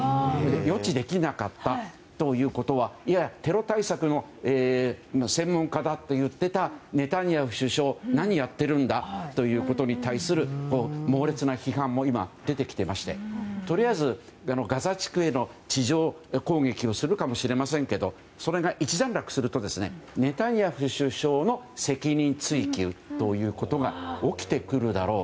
予知できなかったということはいやテロ対策の専門家だといっていたネタニヤフ首相何やってるんだということに対する猛烈な批判も今出てきていましてとりあえずガザ地区への地上攻撃をするかもしれませんがそれが一段落するとネタニヤフ首相の責任追及ということが起きてくるだろう。